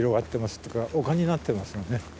っていうか丘になってますよね。